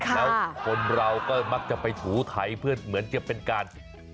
แล้วคนเราก็มักจะไปถูไถเพื่อเหมือนจะเป็นการ